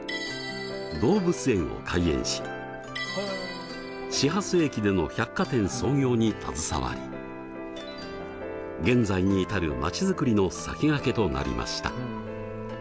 動物園を開園し始発駅での百貨店創業に携わり現在に至るまちづくりの先駆けとなりました。